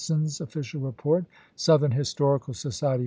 sou's official rcport (" Southern Historical Society ^ple".'